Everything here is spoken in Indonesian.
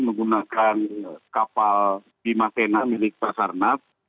menggunakan kapal bimatenah milik pasarnas